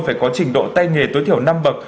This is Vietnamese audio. phải có trình độ tay nghề tối thiểu năm bậc